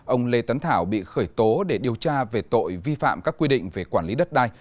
ông lê tấn thảo bị khởi tố để điều tra về tội vi phạm các quy định về quản lý đất đai